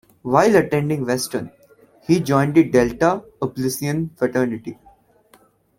While attending Western, he joined the Delta Upsilon fraternity.